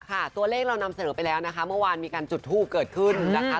ตัวเลขเรานำเสนอไปแล้วนะคะเมื่อวานมีการจุดทูปเกิดขึ้นนะคะ